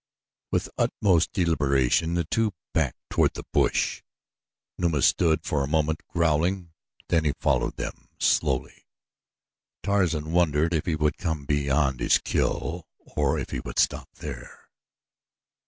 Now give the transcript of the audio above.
With utmost deliberation the two backed toward the bush. Numa stood for a moment, growling, then he followed them, slowly. Tarzan wondered if he would come beyond his kill or if he would stop there.